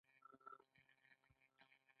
هغه اس ته د ځغاستې میدان کې تمرین ورکاوه.